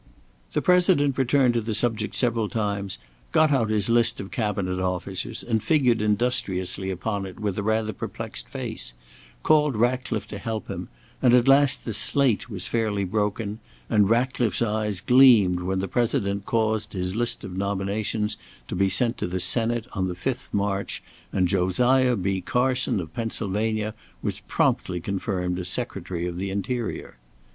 The President returned to the subject several times; got out his list of Cabinet officers and figured industriously upon it with a rather perplexed face; called Ratcliffe to help him; and at last the "slate" was fairly broken, and Ratcliffe's eyes gleamed when the President caused his list of nominations to be sent to the Senate on the 5th March, and Josiah B. Carson, of Pennsylvania, was promptly confirmed as Secretary of the Interior.